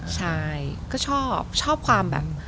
ใช่ก็ชอบชอบความแบบ